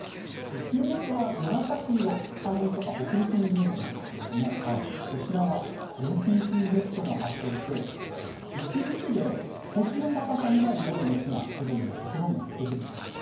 注目は紫色山陰とか北陸に見えていましたがこちらはＪＰＣＺが発生して１日で腰の高さぐらいまで雪が積もるところも出てきます。